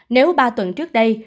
nếu ba tuần trước đây